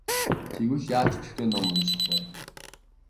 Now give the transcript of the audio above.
Тэгвэл яаж идэвхтэй ном унших вэ?